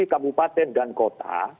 kabupaten dan kota